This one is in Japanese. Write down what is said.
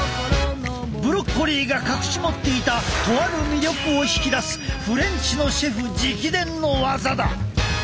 ブロッコリーが隠し持っていたとある魅力を引き出すフレンチのシェフ直伝のワザだ！